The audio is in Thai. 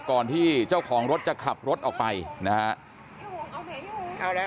ก่อนที่เจ้าของรถจะขับรถออกไปนะฮะ